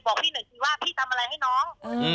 บอกพี่หน่อยทีว่าพี่ทำอะไรให้น้อง